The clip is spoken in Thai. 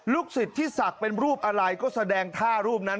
ศิษย์ที่ศักดิ์เป็นรูปอะไรก็แสดงท่ารูปนั้น